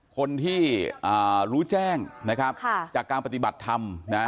คนที่รู้แจ้งจากการปฏิบัติธรรม